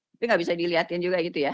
tapi nggak bisa dilihatin juga gitu ya